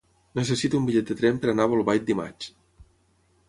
Necessito un bitllet de tren per anar a Bolbait dimarts.